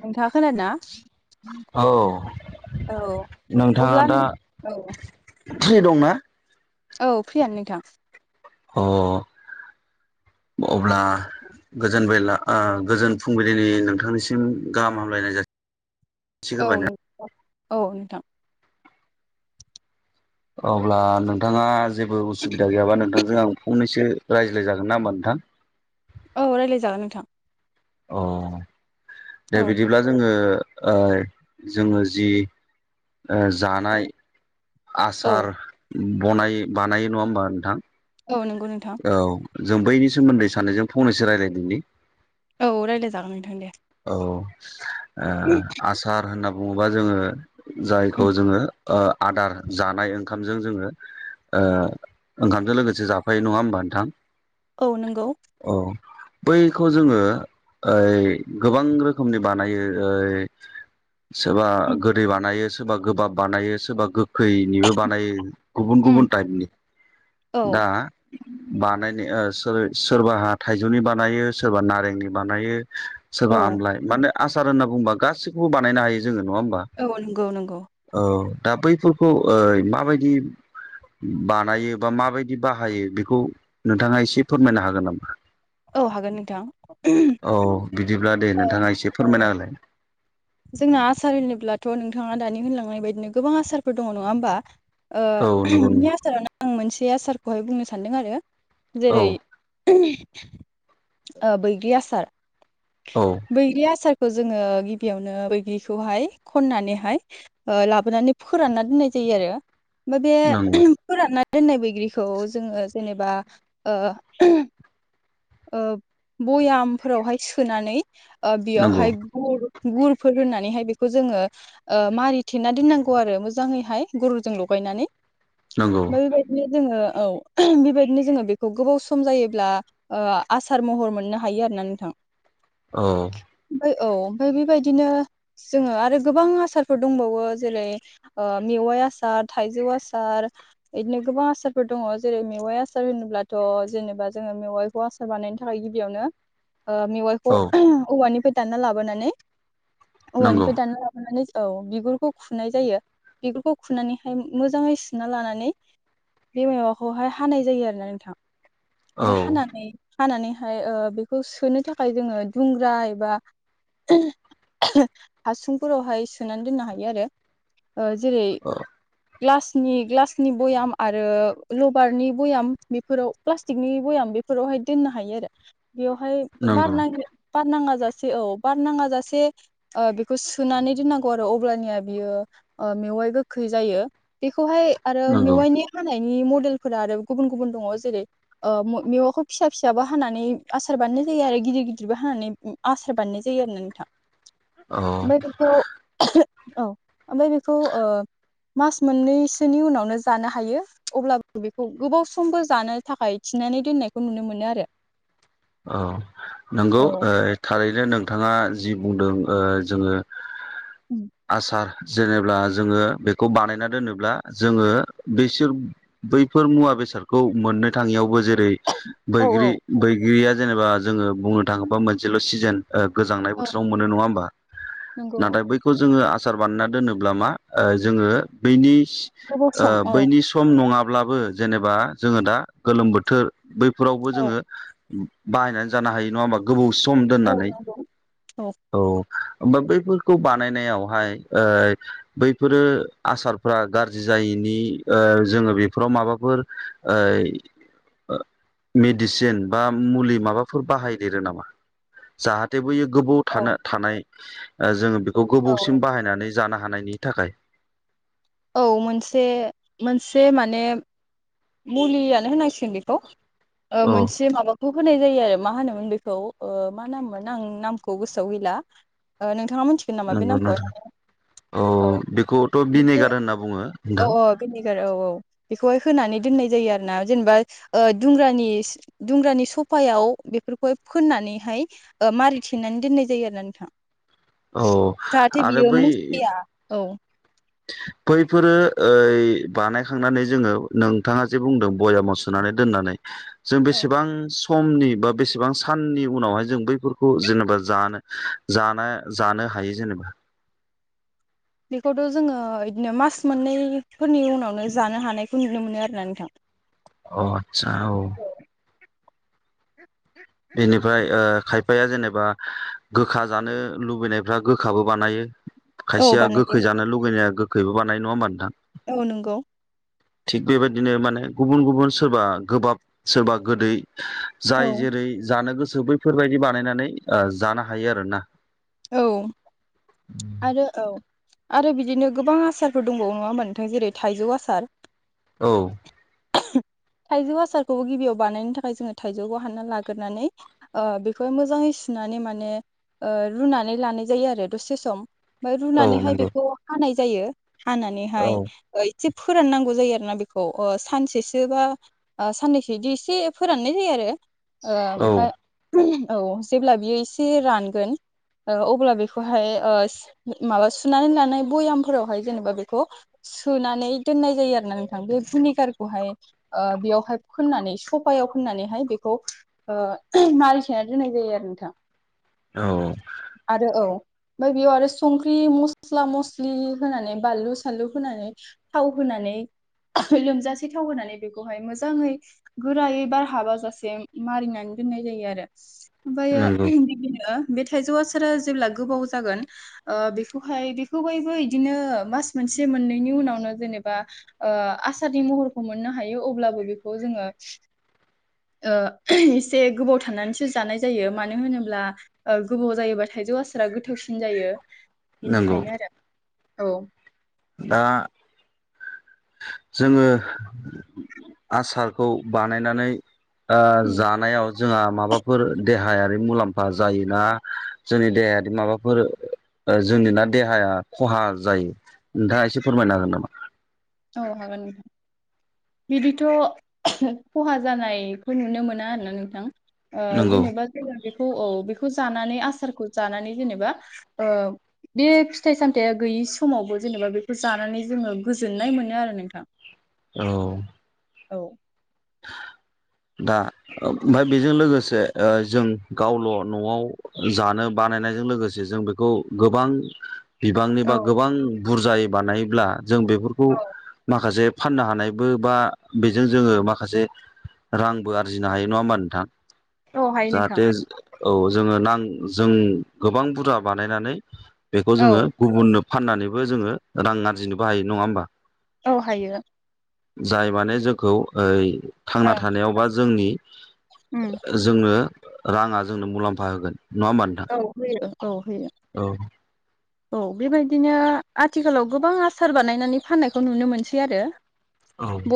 नोंथाङा खोनादोंना भुम औ भुम औ नोंथाङा अब्ला नों दा औ फ्रि दंना? औ फ्रियानो नोंथां अ अब्ला गोजोनबेला ओ गोजोन फुंबिलिनि नोंथांनिसिम गाहाम हामलायनाय जासि औ नोंथां औ नोंथां अब्ला नोंथाङा जेबो उसुबिदा गैयाबा नोंथांजों आं फंनैसो रायज्लाय जागोन ना होमबा नोंथां औ रायलायजागोन नोंथां अ' दे औ बिदिब्ला जोङो ओ जोङो जि ओ जानाय औ आसार बनायो बानायो नङा होमबा नोंथां औ नंगौ नोंथां औ जों बैनि सोमोन्दै सानैजों फंनैसो रायज्लायदोंनि औ रायलाय जागोन नोंथां दे अ ओ आसार होनना बुङोबा जोङो जायखौ उम जोङो ओ आदार जानाय ओंखामजों जोङो ओ ओंखामजों लोगोसे जाफायो नङा होमबा नोंथां औ नंगौ। औ बैखौ जोङो ओइ गोबां रोखोमनि बानायो ओ यै सोरबा उम गोदै बानायो सो सोरबा गोबाब बानायो सोबा खैनिबो बानायो गुबुन उम गुबुन टाइपनि औ दा बानायनाय ओ सोर सोरबाहा थाइजौनि बानायो सोरबा नारेंनि बानायो सोरबा औ आमलाय माने आसार होनना बुंबा गासिखौबो बानायनो हायो जोङो। नङा होमबा औ नंगौ नंगौ औ दा बैफोर खौ ओय माबायदि बानायो बा माबायदि बाहायो बेखौ नोंथाङा एसे फोरमायनो हागोन नामा? औ हागोन नोंथां। औ बिदिब्ला दे ओ नोंथाङा एसे औ फोरमायना होलाय। जोंना आसार होनोब्लाथ' नोंथाङा दानि होनलांनाय बायदिनो गोबां आसारफोर दङ' नङा होमबा। ओ औ नंगौ बिनि आसारानो आं मोनस बे आसारखौहाय बुंनो सान्दों आरो। जेरै औ ओ बैग्रि आसार। औ बैग्रि आसार खौ जोङो गिबियावनो बैग्रिखौहाय खन्नानैहाय ओ लाबोनानै फोरान्ना दोननाय जायो आरो। ओमफा बे नंगौ फोरान्ना दोन्नाय बैग्रिखौ जोङो जेनेबा ओ ओ बयामफोरावहाय सोनानै ओ नंगौ बियावहाय गुर गुरफोर होननानैहाय बेखौ जोङो ओ मारिथेना दोन्नांगौ आरो मोजाङैहाय गुरजों लगायनानै। नंगौ बै बायदिनो जोङो। औ बिबायदिनो जोङो बेखौ गोबाव सम जायोब्ला ओ आसार महर मोन्नो हायो आरोना नोंथां। औ। ओ औ ओमफाय बेबायदिनो जोङो आरो गोबां आसारफोर दंबावो जेरै ओ मेवाइ आसार थाइजौ आसार इदिनो गोबां आसारफोर दङ' जेरै मेवाइ आसार होनोब्लाथ' जेनेबा जोङो मेवाइखौ आसार बानायनो थाखाय गिबियावनो। ओ मेवायखौ औ औवानिफाय दान्ना लाबोनानै। नंगौ औवानिफाय दान्ना लाबोनानै ज औ बिगुरखौ खुनाय जायो बिगुरखौ खुनानैहाय मोजाङै सुना लानानै बे माबाखौहाय हानाय जायो आरोना नोंथां। औ बा हानानै। हानानैहाय ओ बेखौ सु सोनो थाखाय जोङो दुंग्रा एबा हासुंफोरावहाय सोनानै दोन्नो हायो आरो। ओ जेरै- औ ग्लासनि ग्लासनि बयाम आरो लबारनि बयाम बेफोराव प्लास्टिकनि बयाम बेफोरावहाय दोन्नो हायो आरो बेयावहा बार नंगौ नाङो बार नाङा। जासे औ बार नाङा जासे ओ बेखौ सोनानै दोन्नांगौ आरो अब्लानिया बियो ओ मेवाय गोखै जायो बेख खौहाय आरो नंगौ मेवायनि हानाय नि मडेलफोरा आरो गुबन गुबन दङ' जेरै ओ म-मेयाखौ फिसा फिसाबो हानानै आसार बानाय जा जायो आरो गिदिर गिदिरबो हानानानै आसार बानायनाय जायो आरोना नोंथां औ ओमफ्राय बेखौ औ ओमफ्राय बेखौ ओ मास मोननैसो उनावनो जानो हायो अब्लाबो बेखौ गोबावसमबो जानो थाखाय थिना दोननायखौ नुनो मोनो आरो औ नंगौ औ थारै दे नोंथाङा जि बुंदों ओ जोङो आसार जेनेब्ला जोङो बेखौ बानायना दोनोब्ला जोङो बिसोर बैफोर मुवा बेसादखौ मोननो थाङियावबो जे बै औ औ बैग्रि बै गिरिया जेनेबा जोङो बुंनो थाङोबा मोनसेल' सिजोन ओ गोजांनाय औ बोथोराव मोनो नङा होमबा नंगौ नाथाय बैखौ जोङो आ सार बानायना दोनोब्ला मा जोङो बैनि गोबाव ओ सम औ बैनि सम नङाब अब्लाबो जेनेबा जोङो दा गोलोम बोथोर । बैफोरावबो औ जोङो बाहायनानै जानो हायो नङा होमबा गोबाव सम औ दोननानै नंगौ औ । होमबा बैफोरखौ बानायनायावहाय ओ बैफोरो आसारफोरा गाज्रि जायोनि ओ जोङो बेफोराव माबाफोर ओ मिदिसिन बा मुलि माबाफोर बाहायदेरो नामा जाहाथे बै गोबौ थानो औ थानाय ओ जोङो बे औ गोबावसिम बाहायनानै जानो हानायनि थाखाय । औ मोनसे मोनसे माने मुलियानो होनांसिगोन बेखौ ओ औ मोनसे माबाखौ होनाय जायो आरो मा होनोमोन बेखौ ओ मा नाममोन आं नामखौ गोसोआव गैला ओ नोंथां नोंथाङा मिथिगोन नामा बे नंगौ नामखौहाय नोंथां औ बेखौथ' मोनसे भिनेगार होनना बुङो औ नोंथां औ भिनिगार औ औ बेखौहाय होनानै दोननाय जायो आरो ना जेनेबा ओ दुंग्रानि दुंग्रानि सफायाव बेफोरखौहाय फोननानैहाय ओ मारि थेनानै दोननाय जायो आरो ना नोंथां औ । जाहाथे आरो बियो बै मुसिया औ बैफोरो ओइ बानायखांनानै जोङो नोंथाङा जे बुंदों बयाामाव सुानै दोननानै जों बेसेबां सम समनि बा बेसेबां साननि उनावहाय जों बैफोरखौ जेनेबा जानो ज जानो हायो जेनेबा? बेखौथ' जोङो बिदिनो मास मोननैफोरनि उनावनो जानो हानायखौ नुनो मोनो आरोना नोंथां। औ आतसा औ । बेनिफ्राय ओ खायफाया जेनेबा गोखा जानो लुबैनायफ्रा गोखाबो बानायो। औ खायसेया बानायो गोखै जानो लुगैनाया गो खैबो बानायो नङा होनबा नोंथां? औ नंगौ। थिग बेबायदिनो माने गुबुन गुबुन सोरबा गोबाब सोरबा गोदै। औ जाय जेरै जानो गोसो बैफोरबायदि बानायनानै ओ जानो हायो आरोना। औ आरो औ। आरो बिदिनो गोबां आसारफोर दंबावो नङा होनबा नोंथां जेरै थाइजौ आसार। औ। थाइजौ आसारखौबो गिबियाव बानायनो थाखाय जोङो थाइजौखौ हान्ना लाग्रानै ओ बेखौहाय मोजाङै सुनानै माने ओ रुनानै लानाय जायो आरो दसे सम ओमफ्राय औ रुनानैहाय नंगौ बेखौ हानाय जायो। औ हानानैहाय ओइ जे फोराननांगौ जायो आरोना बेखौ ओ सानसेसो बा ओ साननैसो बिदि एसे फोराननाय जायो औ आरो। ओ ओमफाय औ जेब्ला बियो एसे रानगोन ओ अब्ला बेखौहाय ओ माबा सुनानै लानाय बयामफोरावहाय जेनेबा बेखौ सुनानै दोननाय जायो आरो ना नोंथां बे भिनिगारखौहाय ओ बेयावहाय फोननानै सफायाव फोननानैहाय बेखौ ओ मारिथेनानै दोननाय जायो आरो नोंथां। औ आरो औ ओमफाय बेयाव आरो संख्रि मस्ला-मस्लि होनानै बानलु-सानलु होनानै थाव होनानै लोमजासे थाव होनानै बेखौहाय मोजाङै गोरायै बार हाबाजासे मारिनानै दोननाय जायो आरो। ओमफायो नंगौ बिदिनो बे थाइजौ आसारा जेब्ला गोबाव जागोन ओ बेखौहाय बेखौ बायबो इदिनो मास मोनसे मोननैनि उनावनो जेनेबा ओ आसारनि महरखौ मोननो हायो अब्लाबो बेखौ जोङो ओ एसे गोबाव थानानैसो जानाय जायो मानो होनोब्ला गोबाव जायोबा थाइजौ आसारा गोथावसिन जायो। नंगौ बेनिखायनो आरो। औ। दा जोङो आसारखौ बानायनानै दा उम जानायाव जोंहा माबाफोर देहायारि मुलाम्फा जायो ना जोंनि देहायारि माबाफोर ओ जोंनि ना देहाया खहा जायो। नोंथाङा एसे फोरमायनो हागोन नामा? औ हागोन नोंथां बिदिथ' खहा जानायखौ नुनो मोना आरोना नोंथां। ओ नंगौ जेनेबा जोङो - बेखौ औ बेखौ जानानै आसारखौ जानानै जेनेबा ओ बे फिथाइ-सामथाया गैयि समावबो जेनेबा बेखौ जानानै जोङो गो जोननाय मोनो आरो नोंथां। औ। औ। दा ओमफ्राय बेजों लोगोसे ओ जों गावल' न'आव जानो बानायनायजों लोगोसे जों बेखौ गोबां बिबांनि बा औ गोबां बुरजायै बानायोब्ला जों बेफोरखौ औ माखासे फाननो हानायबो बा बेजों जोङो माखा खासे रांबो आरजिनो हायो, नङा होमबा नोंथां? औ हायो जाहाथे नोंथां। औ जोङो नां जों गोबां बुरजा बानायनानै बेखौ औ जोङो गुबुननो फाननानैबो जोङो रां आरजिनोबो हायो, नङा होमबा? औ हायो। जाय माने जोंखौ ओइ थांना ओं थानायाव बा जोंनि उम। जोङो राङा जोंनो मुलाम्फा होगोन। नङा होमबा नोंथां? औ होयो। औ होयो। औ। औ बेबायदिनो आथिखालाव गोबां आसार बानायनानै फाननायखौ नुनो मोनसै आरो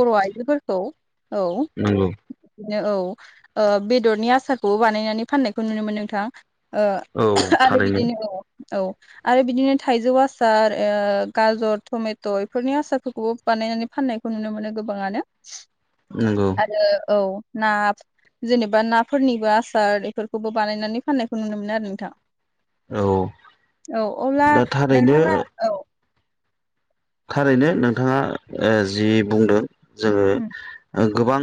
बर' आइजोफोरखौ। नोंगौ। नो औ बेदरनि आसारखौबो बानायनानै फाननायखौ नुनो मोनो नोंथां। ओ औ आरो थारैनो बिदिनो औ। आरो बिदिनो थाइजौ आसार, ओ गाजर, टमेट' बेफोरनि आसारफोरखौबो बानायनानै फाननायखौ नुनो मोनो गोबाङानो। नंगौ आरो औ। ना, जेनेबा नाफोरनिबो आसार एफोरखौबो बानायनानै फाननायखौ नुनो मोनो आरो नोंथाङा। औ। औ अब्ला दा थारैनो नोंथाङा औ। थारैनो नोंथाङा ओ जि बुंदों जोङो उम ओ गोबां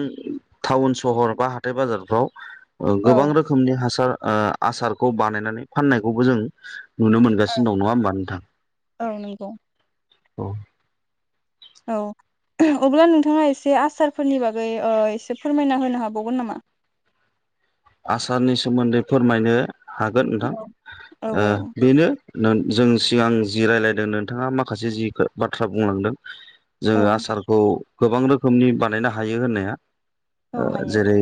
टाउन सहर बा हाथाइ बाजारफ्राव औ गोबां रोखोमनि हासार ओ आसारखौ बानायनानै फाननायखौबो जों नुनो औ मोनगासिनो दं, नङा होमबा नोंथां? औ नंगौ औ। औ अब्ला नोंथाङा एसे आसारफोरनि बागै ओ एसे फोरमायना होनो हाबावगोन नामा? आसारनि सोमोन्दै फोरमायनो हागोन नोंथां औ औ ओ बेनो नों जों सिगां जि रायलायदों नोंथाङा माखासे जि खो बाथ्रा बुंलांदों औ जोंङो आसारखौ गोबां रोखोमनि बानायनो हायो होननाया। औ ओ हायो जेरै।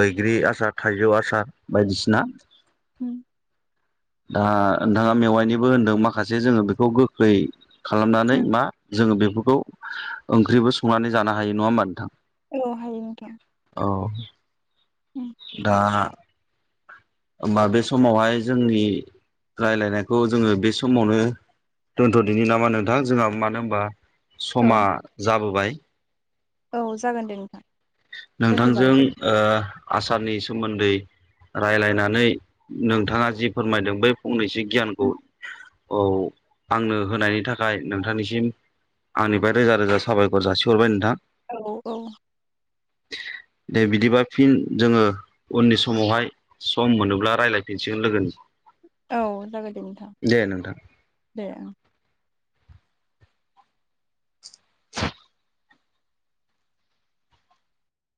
बैग्रि आसार। थाइजौ आसार। बायदिसिना। दा नोंथाङा मेवाइनिबो होनदों माखासे जोंङो बेखौ गोखै खालामनानै मा जोंङो बे बेखौ ओंख्रिबो संनानै जानो हायो नङा होमबा नोंथां? औ हायोमोनथ'। औ। दा होमबा बे समावहाय जोंनि रायलायनायखौ जोंङो बे समावनो दोन्थ'दिनि नामा नोंथां? जोंहा मानो होनबा औ समा जाबोबाय। औ जागोन दे नोंथां। दोनथ' नोंथांजों जागोन ओ आसारनि सोमोन्दै रायलायनानै नोंथाङा जि फोरमायदों बै फंनैसो गियानखौ औ आंनो होनायनि थाखाय नोंथांनिसिम आंनिफ्राय रोजा रोजा साबायखर जासिहरबाय नोंथां। औ औ औ। दे बिदिबा फिन जोंङो उननि समावहाय सम मोनोब्ला रायलायफिनसिगोन लोगोनि औ जागोन दे नोंथां। दे नोंथां दे ओं।